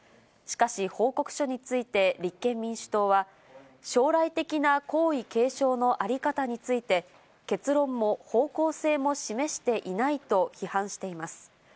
しかし、報告書について立憲民主党は、将来的な皇位継承の在り方について、結論も方向性も示していないと批判しています。